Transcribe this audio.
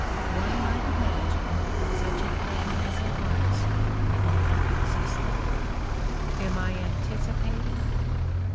One might imagine that such a thing as an artist had never existed. Am I anticipating?